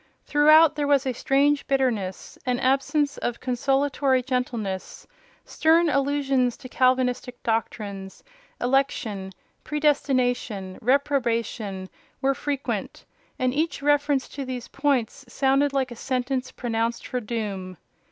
Throughout there was a strange bitterness; an absence of consolatory gentleness; stern allusions to Calvinistic doctrines—election, predestination, reprobation—were frequent; and each reference to these points sounded like a sentence pronounced for doom.